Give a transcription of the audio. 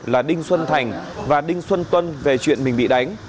là đinh xuân thành và đinh xuân tuân về chuyện mình bị đánh